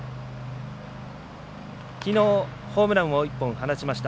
きのう、ホームランを１本放ちました。